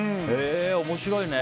面白いね。